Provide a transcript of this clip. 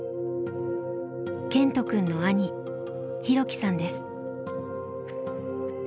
健人くんの兄大樹さんです。